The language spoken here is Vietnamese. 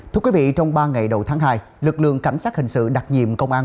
thưa quý vị trong ba ngày đầu tháng hai lực lượng cảnh sát hình sự đặc nhiệm công an